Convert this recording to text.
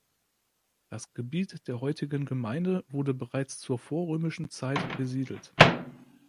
Das Gebiet der heutigen Gemeinde wurde bereits zur vorrömischen Zeit besiedelt.